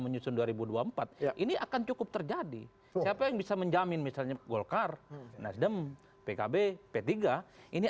menyusun dua ribu dua puluh empat ini akan cukup terjadi siapa yang bisa menjamin misalnya golkar nasdem pkb p tiga ini